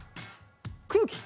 空気！